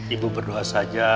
ibu berdoa saja